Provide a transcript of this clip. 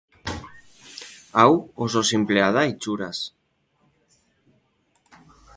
Hau oso sinplea da itxuraz.